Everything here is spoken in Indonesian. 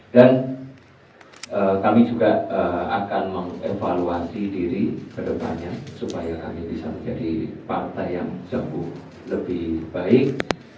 dan kami juga akan mengevaluasi diri ke depannya supaya kami bisa menjadi partai yang jauh lebih baik